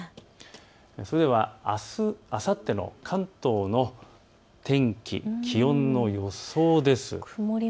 それでは、あす、あさっての関東の天気、気温の予想です。